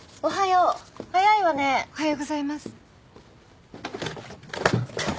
おはようございます。